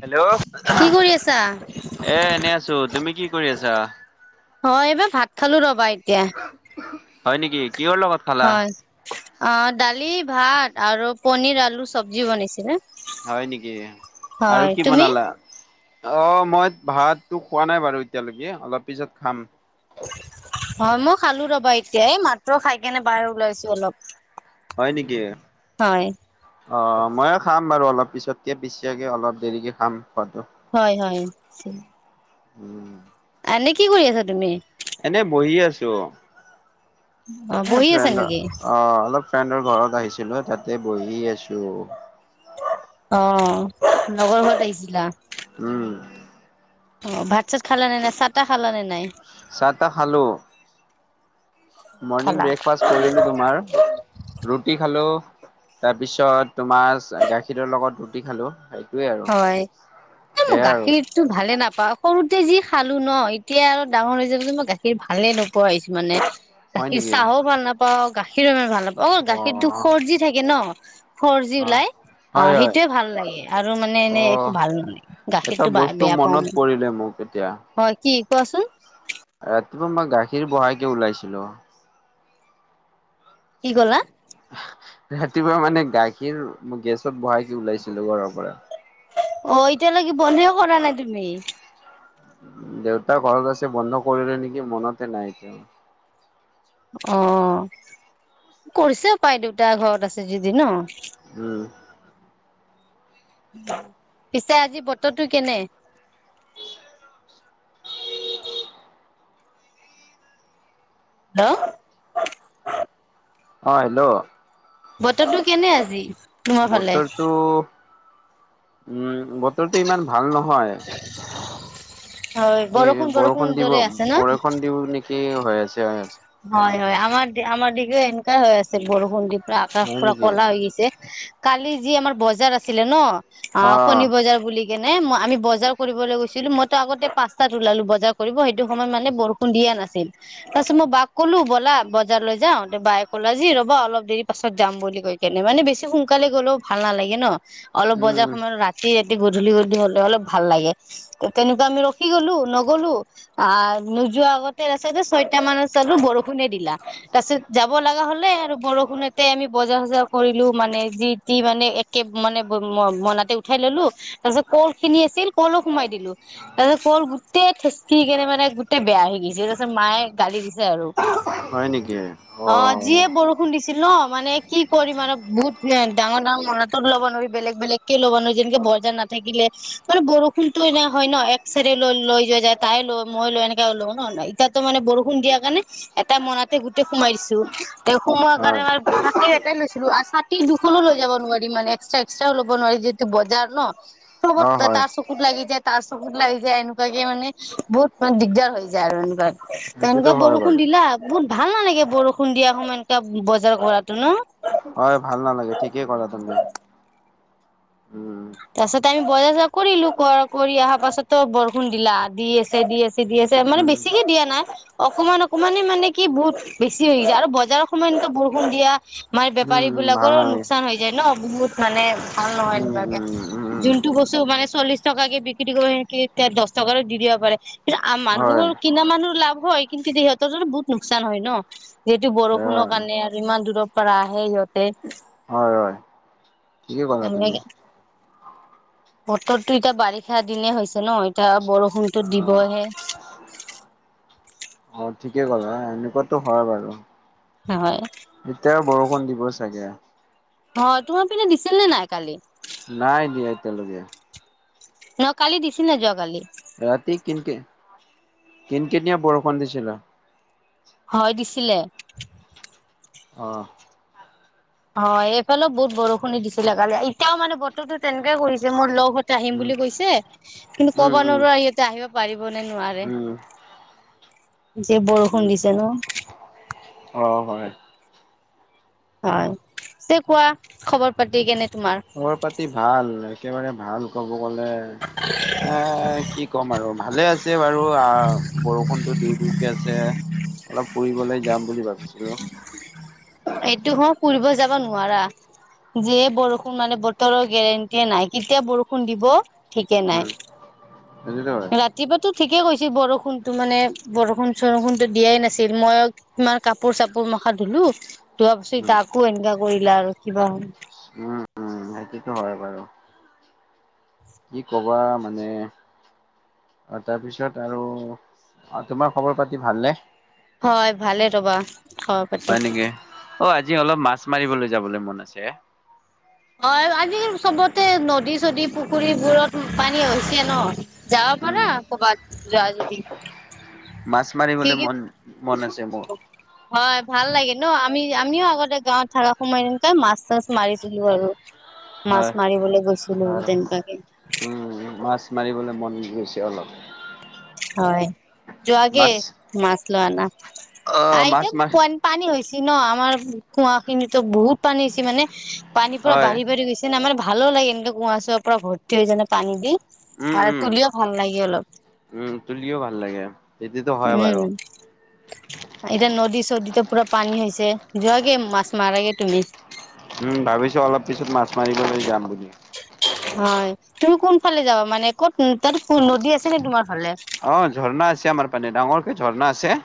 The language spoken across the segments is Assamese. হেল্ল' কি কৰি আছা? এ এনেই আছো তুমি কি কৰি আছা? হয়, এইবাৰ ভাত খালো ৰবা এতিয়া। হয় নেকি, কিহৰ লগত? খালা? হয়, অ' দালি ভাত আৰু পনীৰ আলু চব্জি বনাইছিলে। হয় নেকি, আৰু হয় কি তুমি? বনালা? অ' মই ভাততো খোৱা নাই বাৰু এতিয়ালৈকে অলপ পিছত খাম। হয়, মই খালো ৰ'বা এতিয় এই মাত্ৰ খাই কেনে বাহিৰ ওলাইছো অলপ। হয় নেকি? হয় অ' ময়ো খাম বাৰু অলপ পিছতকে পিছিয়াকে অলপ দেৰিকে খাম খোৱাটো। হয়, হয়। উম। এনে কি কৰি আছা তুমি? এনে বহি আছোঁ। অ বহি আছা ফ্ৰেণ্ড নেকি? অ' অলপ ফ্ৰেণ্ডৰ ঘৰত আহিছিলোঁ, তাতে বহি আছোঁ। অ' লগৰ ঘৰত আহিছিলা? উম। অ' ভাত-চাত খালা নে নাই? চাহ-তাহ খালা নে নাই? চাহ-তাহ খালো। মৰ্ণিং খালা। ব্ৰেকফাষ্ট কৰিলো তোমাৰ। ৰুটি খালো, তাৰপিছত তোমাৰ গাখীৰৰ লগত ৰুটি খালো। আৰু হয়, এই মোৰ সেয়াই আৰু। গাখীৰ টো ভালে নাপাওঁ, সৰুতে যি খালো ন', এতিয়া আৰু ডাঙৰ হৈছে বুলি মই গাখীৰ ভালে নোপোৱা হৈছোঁ মানে। হয় গাখীৰ নেকি? চাহও ভাল নাপাওঁ, গাখীৰো মই ভাল নাপাওঁ, অ' গাখীৰটো সৰ্জি থাকে ন'। সৰ্জি হয়। ওলাই অ', হয় হয় সেইটোৱে ভাল লাগে আৰু। এনে, এনে একো অ', ভাল নাপাওঁ এটা গাখীৰটো বস্তু বেয়া পাওঁ মনত মই। পৰিলে মোক এতিয়া। হয়, কি কোৱাচোন। ৰাতিপুৱা মই গাখীৰ বহাই কে ওলাইছিলোঁ। কি ক'লা? ৰাতিপুৱা মানে গাখীৰ গেছত বহাই কিনে ওলাইছিলোঁ ঘৰৰ পৰা। অ', এতিয়ালৈকে বন্ধেই কৰা নাই তুমি। দেউত ঘৰত আছে বন্ধ কৰিলে নেকি মনতে নাই। অ', কৰিছেও পাই, দেউতা ঘৰত আছে যদি। ন'। উম। পিছে আজি বতৰটো কেনে। হা? অ' হেল্ল'। বতৰটো কেনে আজি? তোমাৰ ফালে বতৰটো উম, বতৰটো ইমান ভাল নহয়। হয় কি বৰষুণ, বৰষুণ দৰে আছে ন'। কি হৈ আছে অ'। হয়, হয়, আমাৰ, আমাৰ দিগেও এনেকায়ে হৈ আছে বৰষুণ দি। আকাশ হয় পুৰা নেকি ক'লা হৈ গৈছে, কালি যি আমাৰ বজাৰ আছিলে ন'। অ', শনি বজাৰ বুলি সেই কেনে, মই আমি বজাৰ কৰিবলৈ গৈছিলোঁ, মইটো আগতে পাঁচটাত ওলালো বজাৰ কৰিব, সেইটো সময়ত মানে বৰষু দিয়া নাছিল, তাৰপিছত মই বাাক ক'লো ব'লা, বজাৰলৈ যাওঁ, বাইয়ে ক'লে যি ৰবা অলপ দেৰি পাছত যাম বুলি কৈ কেনে মানে বেছি সোনকালে গ'লেও ভাল নালাগে ন', অলপ উম বজাৰ সময়ত ৰা [unintelligible] গধূ-গধূলি হ'লে অলপ ভাল লাগে। তেনেকুৱা আমি ৰখি গ'লো, নগলো। আহ নোযোৱা আগতে ছয়তা মান বৰষুণে দিলা, তাৰ পিছত যাব লগা হ'লে আৰু বৰষুণতে আমি বজাৰ-চজাৰ কৰিলোঁ মানে যি টি মানে, একে মানে মোনাতে উঠাই ল'লো তাৰ পিছত কল খিনি আছিল, কলো সোমাই দিলোঁ। তাৰ পাছত কল গোটেই ঠেচি কেনে মানে গোটেই বেয়া হৈ গৈছে, তাৰ পিছত মায়ে গালি দিছে। হয় নেকি অ', যিয়ে ব ছিল ন', মানে কি কৰিম আৰু বহুত ডাঙৰ, ডাঙৰ মোনাতটো ল'ব নোৱাৰি বেলেগ, বেলেগ। ল'বানো যেনেকে বজাৰ নাথাকিলে, মানে বৰষুণটো এনেকা হয় ন', এক চাইডে লৈ, লৈ যোৱা যায়। তাই লয়, মই লৈ এনেকে লওঁ ন', এতিয়াটো মানে বৰষুণ দিয়া কাৰণে এটা মোনাতে গোটেই সোমাই দিছোঁ, ত' সোমোৱাৰ কাৰণে হয় [unintelligible] এটাই লৈছিলোঁ আৰু চ দুখনো লৈ যাব নোৱাৰি মানে, এক্সট্ৰা এক্সট্ৰাকেও ল'ব নোৱাৰি, যিহেতু বজাৰ ন'। অ হয় তাৰ চকুত লাগি যায়, তাৰ চকুত লাগি যায় এনেকুৱাকে মানে বহুত মানে দিগদাৰ হৈ যায় আৰু, সেইটোতো তেনেকুৱা বৰ হয় বাৰু লা বহুত ভাল নালাগে বৰষুণ দিয়া সময় একা বজাৰ কৰাতো ন? হয় ভাল নালাগে ঠিকেই ক'লা তুমি। উম তাৰ পাছত আমি বজাৰ চজাৰ কৰিলো, কৰ কৰি অহাৰ পাছতো বৰষুণ দিলা দি আছে দি আছে বেছি দি আছে মানে উম বেছিকে দিয়া নাই অকমান অকমানে মানে কি বহুত বেছি হৈ যায় আৰু বজাৰৰ সময় এনেক বৰষুণ দিয়া আমাৰ উম বেপাৰী উম ভাল বিলাকৰো নালাগে লোকচান হৈ যায় ন বহুত মানে ভাল নহয় উম উম এনেকুৱাকে। উম উম যোনটো বস্তু মানে চল্লিশ টকাকে বিক্ৰী কৰি সেকে দহ টকাৰো দি দিব পাৰে। কিন্তু হয় মানুহৰ কিনা মানুহৰ লাভ হয় কিন্তু সিহঁতৰো বহুত লোকচান হয় ন। যিহেতু হয় বৰষুণৰ কাৰণে আৰু ইমান দূৰৰ পৰা আহে সিহঁতে। হয় হয়, ঠিকেই ক'লা তুমি। বতৰতো এতিয়া বাৰিষা দিনে হৈছে ন, এতিয়া অ বৰষুণতো দিবহে। অ' ঠিকে ক'লা এনেকুৱাতো হয় বাৰু। হয়। এতিয়াও বৰষুণ দিব চাগে। হয়, তোমাৰ পিনে দিছিল নে নাই কালি? নাই দিয়া এতিয়ালৈকে। ন কালি দিছে নে যোৱা কালি? ৰাতি কিনকে কিন কিনিয়া বৰষুণ দিছিলে। হয় দিছিলে। অ'। হয় এইফালে বহুত বৰষুণ দিছিলে কালি, এতিয়াও মানে বতৰটো তেনেকে কৰিছে। মোৰ লগ ৰ আহিম উম, বুলি কৈছে, কিন্তু উম, ক'ব উম, নোৱাৰো আৰু সিহঁতে আহিব পাৰিব নে নোৱাৰে। উম, যি বৰষুণ উম। দিছে ন? অ' হয়। হয়, চ' কোৱা খবৰ পাতি কেনে তোমাৰ? খবৰ পাতি ভাল, একেবাৰে ভাল ক'ব গ'লে এ কি ক'ম আৰু ভালে আছে বাৰু, আহ বৰষুণতটো দিওঁ দিওঁকে আছে অলপ ফুৰিবলৈ যাম বুলি ভাবিছিলোঁ এইটো সময় ফুৰিব যাব নোৱাৰা। যিহে বৰষুণ মানে বতৰৰ গেৰেণ্টিয়ে নাই কেতিয়া বৰষুণ দিব। ঠিকে নাই, উম, সেইটোতো হয়, ৰাতি ৰাতিপুৱা ঠিকেই কৈছে বৰষুণতো মানে বৰষুণ চৰষুণতো দিয়াই নাছিল। মই তোমাৰ কাপোৰ চাপোৰ মখা ধুলো, ধোৱা পাছত উম, এতিয়া আকৌ এনেকা কৰিলা আৰু কিবা হ'ল। সেইতোটো হয় বাৰু কি ক'বা মানে অ' তাৰপিছত আৰু তোমাৰ খবৰ পাতি ভালনে। হয়, ভালে ৰ'বা খব হয় পাতি। নেকি? অ' আজি অলপ মাছ মাৰিবলৈ যাবলৈ মন আছে। হয়, আজি কালি চবতে নদী চদী পুখুৰীবোৰত পানী হৈছে ন? যাব উম, পাৰা ক'ৰবাত যোৱা যদি। মাছ কি মাৰিবলৈ কি মন মন আছে মোৰ। [unintelligible] হয় ভাল লাগে ন? আমি আমিও আগতে গাঁৱত ধাৰা সোমাই এনেকাই মাছ চাছ মাৰিছিলো আৰু। মাছ হয় মাৰিবলৈ গৈছিলো আৰু তেনেকুৱাকে। উম, মাছ মাৰিবলৈ মন গৈছে অলপ। হয় যোৱা আগে মাছ মাছ ল আনা অ মাছ মাৰ [unintelligible] পানী হৈছে ন আমাৰ কুৱা খিনিতো বহুত পানী হৈছে মানে পানী পুৰা হয় বাঢ়ি বাঢ়ি গৈছে। এনাই মানে ভালো লাগে এনে কুঁৱা চুঁৱা পুৰা ভৰ্তি হৈ যালে পানী দি, উম আৰু উম তুলিও ভাল লাগে অলপ। উম, তুলিও ভাল লাগে। সেইটোতো হয় উম। বাৰু এতিয়া নদী চদীতে পুৰা পানী হৈছে যোৱাগে মাছ মাৰগে তুমি। উম ভাবিছো অলপ পিছত মাছ মাৰিবলৈ যাম বুলি। হয় তুমি কোনফালে যাবা মানে ক'ত তাত নদী আছে নে তোমাৰ ফালে। অ ঝৰ্ণা আছে আমাৰ পানে ডাঙৰকে ঝৰ্ণা আছে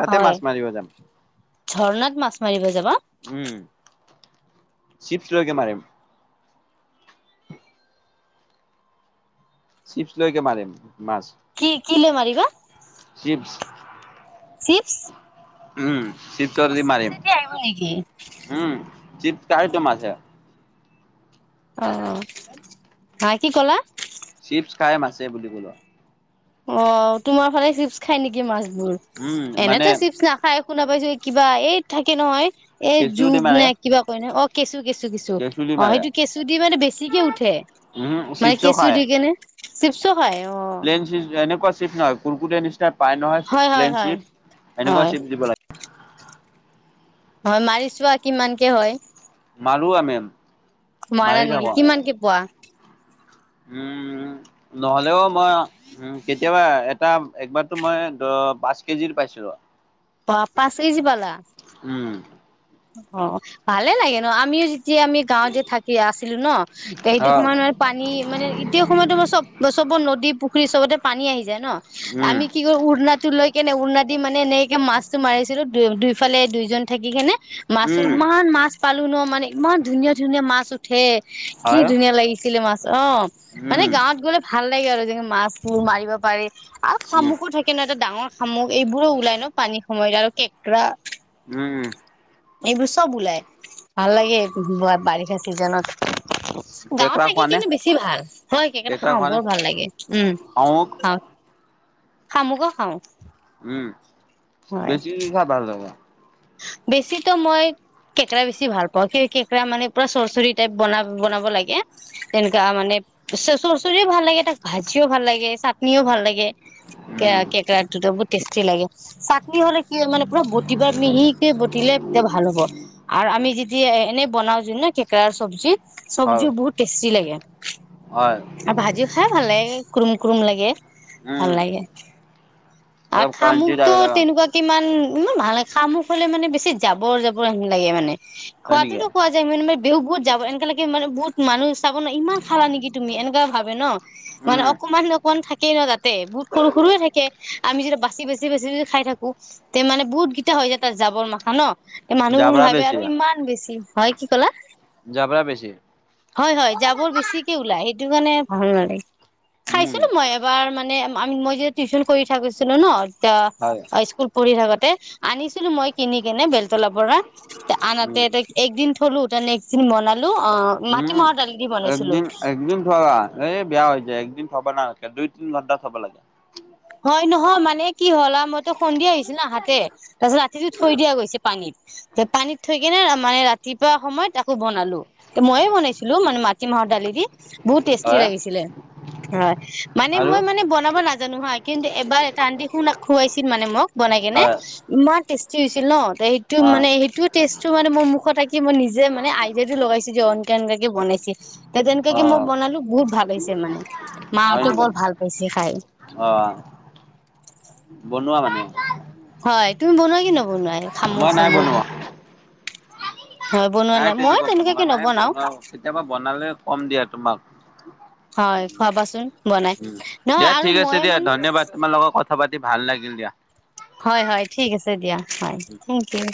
তাতে হয় মাছ মাৰিব যাম। ঝৰ্ণাত মাছ মাৰিব যাবা। উম, চিপছ্ লৈকে মাৰিম। চিপছ্ লৈকে মাৰিম মাছ। কি, কি লৈ মাৰিবা? চিপছ্। চিপছ্। উম চিপছ্ দি মাৰিম আহিব নেকি উম চিপছ্ খায়টো মাছে। অ হা কি ক'লা। চিপছ্ খাই মাছে বুলি ক'লো। অ তোমাৰ ফালে চিপছ্ খাই নেকি মাছবোৰ উম মানে এনেতো চিপছ নাখ খায় শুনা পাইছোঁ এই কিবা এই থাকে নহয় এই কেঁচু দি যুগ মাৰে নে কিবা কয় নহয় অ। কেঁচু, কেঁচু, কেঁচু দি অ মাৰে সেইটো কেঁচু দি মানে বেছিকে উঠে। উম মানে চিপছো কেঁচু খায় দি কেনে চিপছ্ও খায় অ। [unintelligible] এনেকুৱা চিপছ্ নহয় কুৰকুৰে নিছিনা পাই নহয় হয় হয় প্লেন হয়। চিপছ্ সেনেকুৱা হয় চিপছ্ দিব লাগে। হয় মাৰি চোৱা কিমানকে হয়। মাৰো আমিম। মাৰা নেকি কিমানকে পোৱা? উম নহলেও মই। উম কেতিয়াবা এটা একবাৰতো মই পাঁচ কেজিৰ পাইছোঁ। বাহ পাঁচ কেজি পালা। উম। অ ভালে লাগে নহ আমিও যেতিয়া আমি গাঁৱত যে থাকি আছিলোঁ নহ ত' সেইটো হয় সময়ত মানে। পানী মানে এতিয়া সময়তো আমাৰ চব চবত নদী পুখুৰী চবতে পানী আহি যায় নহ উম আমি কি। উৰ্ণাটো লৈ কেনে উৰ্ণা দি মানে এনেকে মাছটো মাৰিছিলো দু-দুইফালে দুইজন থাকি কেনে। মাছো উম ইমান মাছ পালোঁ নহ মানে ইমান ধুনীয়া ধুনীয়া মাছ উঠ ঠে কি হয় ধুনীয়া লাগিছিলে মাছ অ মানে উম গাঁৱত গ'লে। ভাল লাগে আৰু যেনে মাছবোৰ মাৰিব পাৰে আৰু উম শামুকো থাক কিন্তু এটা ডাঙৰ শামুক এইবোৰো ওলাই নহ পানীৰ সময়ত আৰু কেঁকৰা। উম। এইবোৰ চব ওলাই ভাল লাগে বাৰিষা চিজনত। গাঁৱত কেকৰা খোৱা থাকি নে কেনে বেছি ভাল হয় কেকেৰা খাওঁ বৰ ভাল লাগে উম। অ। খাওঁ শামুকো খাওঁ। উম, হয় বেছি। [unintelligible] বেছিতো মই। কেঁকৰা বেছি ভাল পাওঁ। সেই কেঁকৰা মানে পুৰা চৰ্চৰি টাইপ বনা-বনাব লাগে। তেনেকুৱা মানে চৰ্চৰিও ভাল লাগে, তাক ভাজিও ভাল লাগে, চাটনিও ভাল লাগে। উম কে-কেঁকৰাটো বহুত টেষ্টি লাগে। চাটনি হ'লে কি মানে পুৰা বটিবা মিহিকে বটিলে তেতিয়া ভাল হ'ব। আৰু আমি যেতিয়া এনেই বনাওঁ যদি নহ কেঁকৰাৰ চব্জি। হয় চব্জিও বহুত টেষ্টি লাগে। হয়। ভাজি খাই ভাল লাগে, কুৰুম, কুৰুম লাগে ভাল উম লাগে। আৰ অলপ ক্ৰাঞ্চি শামুকটো লাগে তেনেকুৱা। কিমান ইমান ভাল নালাগে। শামুক হ'লে মানে বেছি জাবৰ জাবৰ হেন লাগে মানে। হয় নেকি? খোৱাতোতো খোৱা মানে [unintelligible] এনেকা লাগে মানে বহুত মানুহ চাব নহ ইমান খালা নেকি তুমি? এনেকুৱা ভাবে নহ। মানে উম, অকমান, অকমান থাকেই নহ তাতে। বহুত সৰু সৰুয়ে থাকে। আমি যেতিয়া বাচি, বাচি, বাচি, বাচি খাই থাকোঁ। তে মানে বহুত গিত তে হৈ [unintelligible] জাব'ৰমাখা ন এই মানুহবোৰ জাবৰা ভাবে বেছি। আৰু ইমান বেছি, হয়, কি ক'লা? জাব্ৰা বেছি। হয়, হয় জাবৰ বেছিকে ওলায় সেইটো কাৰণে ভাল নালাগে। উম, খাইছিলোঁ মই এবাৰ, মানে আমি মই যে টিউচন কৰি থাকিছিলো ন। ত' হয়। হাইস্কুল পঢ়ি থাকোতে আনিছিলো মই কিনি কিনে বেলতলা পৰা। ত' আনহাতে উম, একদিন থলো ত' নেক্সট দিন বনালো অ', মাত উম। মাহৰ দালি দি বনাওঁ। একদিন একদিন থ'লা এই বেয়া হৈ যায় একদিন থ'বা নালগে, দুই-তিন ঘণ্টা থ'বা লাগে। হয়, নহয় মানে কি হ'ল আৰু মইতো সন্ধিয়া আহিছো না আহাতে, তাৰপিছত ৰাতিটো থৈ দিয়া গৈছে পানীত। তে পানীত থৈ কিনে মানে ৰাতিপুৱা সময়ত আকৌ বনালো। মইয়ে বনাইছিলোঁ মানে মাটিমাহৰ দালি দি। বহুত টেষ্টি হয় লাগিছিলে হয়, মানে আৰু মই মানে বনাব নাজানোঁ হা কিন্তু এবাৰ এটা আন্টি খু-খুৱাইছিল মানে মোক বনাই কেনি, হয় ইমান টেষ্টি হৈছিল ন। ত' আহ মানে সেইটো টেষ্টটো মানে মোৰ মুখত থাকি, মই নিজে মানে আইডিয়াটো লগাইছো যে এনকে এনকুৱাকে বনাইছি। তে তেনকুৱাকে মই অ'। বনালো বহুত ভাল পাইছে মানে, হয় মাহঁতে নেকি? বৰ ভাল পাইছে খাই। অ'। বনোৱা মানে। হয়, তুমি বনোৱা কি নবনোৱা? শামুক মই নাই চামুক বনোৱা। হয় বনোৱা নাই মই তেনেকুৱা তেনেকুৱাকে বনোৱা নাই নবনাও বনোৱা, কেতিয়াবা বনালে ক'ম দিয়া তোমাক। হয়, খুৱাবাচোন বনাই উম, নহয় দিয়া আৰু ঠিক আছে মই দিয়া মানে ধন্যবাদ তোমাৰ লগত কথা পাতি ভাল লাগিল দিয়া। হয়, হয়, ঠিক আছে দিয়া হয়, থেংক ইউ।